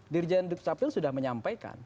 dirjen dukcapil sudah menyampaikan